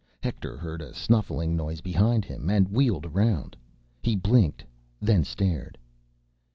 Hector heard a snuffling noise behind him, and wheeled around. He blinked, then stared.